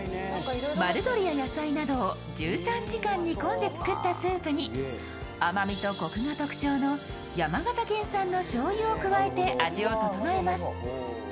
丸鶏や野菜などを１３時間煮込んで作ったスープに甘みとコクが特徴の山形県産のしょうゆを加えて味を調えます。